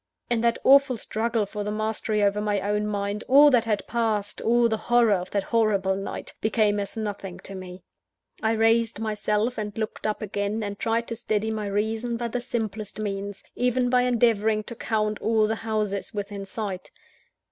In that awful struggle for the mastery over my own mind, all that had passed, all the horror of that horrible night, became as nothing to me. I raised myself, and looked up again, and tried to steady my reason by the simplest means even by endeavouring to count all the houses within sight.